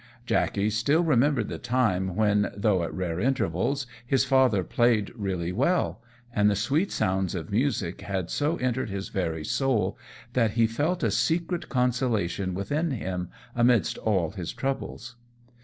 Jackey still remembered the time when, though at rare intervals, his father played really well; and the sweet sounds of music had so entered his very soul that he felt a secret consolation within him, amidst all his troubles.